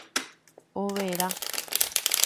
Overa